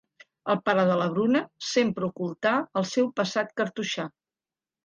El pare de la Bruna sempre ocultà el seu passat cartoixà.